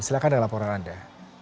silahkan dengan laporan anda